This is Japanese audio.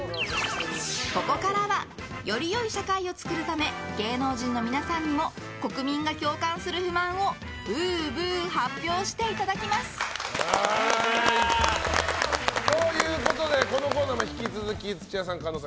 ここからはより良い社会を作るため芸能人の皆さんにも国民が共感する不満をぶうぶう発表していただきます。ということでこのコーナーも引き続き土屋さん、加納さん